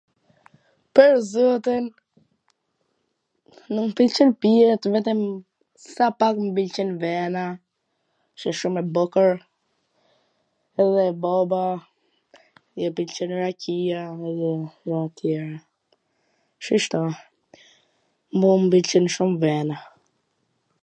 pwr zotin, nuk m pwlqejn pijet, vetwm sapak mw pwlqen vena, she shum e bukur, edhe baba i pwlqen rakia edhe gjana tjera, shishto, mu m pwlqen shum vena